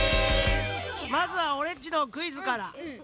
まずはオレっちのクイズから。